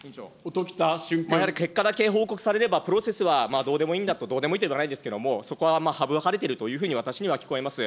やはり結果だけ報告されれば、プロセスはどうでもいいんだと、どうでもいいってことはないですけれども、そこは省かれているというふうに私には聞こえます。